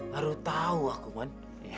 haru tahu aku man